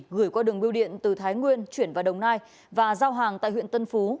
gửi qua đường biêu điện từ thái nguyên chuyển vào đồng nai và giao hàng tại huyện tân phú